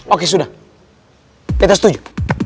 oke sudah beta setuju